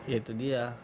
ya itu dia